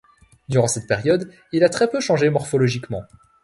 Durant cette période, il a très peu changé morphologiquement.